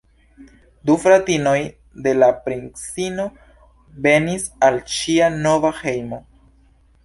Du fratinoj de la princino venis al ŝia nova hejmo.